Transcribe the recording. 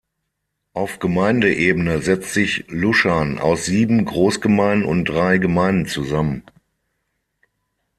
Auf Gemeindeebene setzt sich Lushan aus sieben Großgemeinden und drei Gemeinden zusammen.